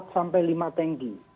empat sampai lima tanggi